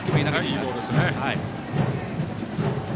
いいボールですね。